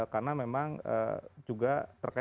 karena memang juga terkait